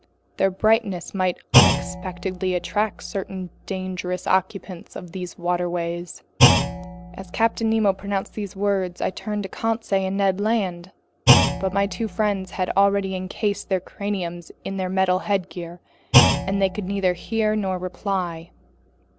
Their brightness might unexpectedly attract certain dangerous occupants of these waterways." As Captain Nemo pronounced these words, I turned to Conseil and Ned Land. But my two friends had already encased their craniums in their metal headgear, and they could neither hear nor reply.